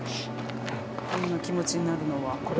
こんな気持ちになるのは。